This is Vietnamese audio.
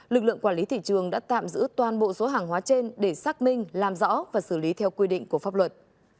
lực lượng quản lý thị trường đã tạm giữ toàn bộ số hàng hóa trên để xác minh làm rõ và xử lý theo quy định của pháp luật